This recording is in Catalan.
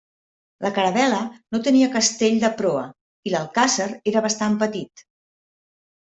La caravel·la no tenia castell de proa, i l'alcàsser era bastant petit.